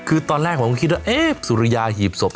คือตอนแรกผมก็คิดว่าเอ๊ะสุริยาหีบศพ